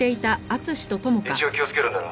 「一応気をつけるんだな」